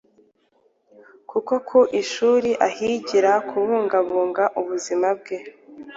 kuko ku ishuri ahigira kubungabunga ubuzima bwe